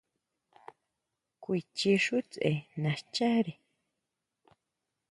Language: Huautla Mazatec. Kuichi xú tse nascháʼre.